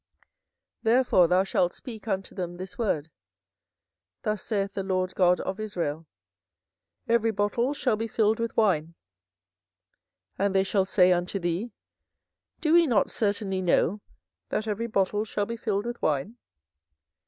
24:013:012 Therefore thou shalt speak unto them this word; Thus saith the LORD God of Israel, Every bottle shall be filled with wine: and they shall say unto thee, Do we not certainly know that every bottle shall be filled with wine?